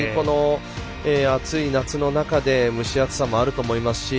暑い夏の中で蒸し暑さもあると思いますし。